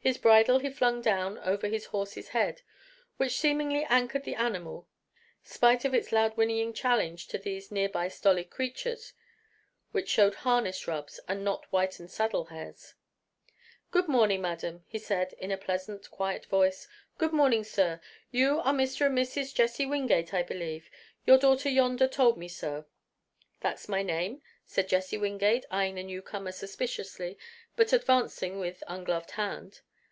His bridle he flung down over his horse's head, which seemingly anchored the animal, spite of its loud whinnying challenge to these near by stolid creatures which showed harness rubs and not whitened saddle hairs. "Good morning, madam," said he in a pleasant, quiet voice. "Good morning, sir. You are Mr. and Mrs. Jesse Wingate, I believe. Your daughter yonder told me so." "That's my name," said Jesse Wingate, eyeing the newcomer suspiciously, but advancing with ungloved hand.